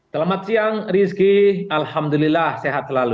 selamat siang rizky alhamdulillah sehat selalu